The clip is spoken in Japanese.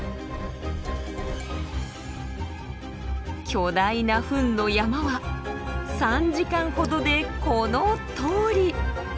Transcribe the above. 巨大なフンの山は３時間ほどでこのとおり。